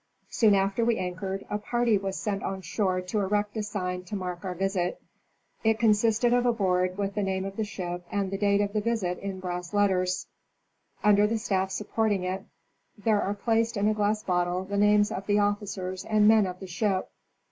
Soon after we anchored a party was sent on shore to erect a sign to mark our visit ; it consisted of a board with the name of the ship and the date of the visit in brass letters ; under the staff supporting it there are placed in a glass bottle the names of the offi cers and men of the ship.